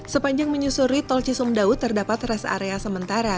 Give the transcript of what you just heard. sepanjang menyusuri tol cisumdau terdapat res area sementara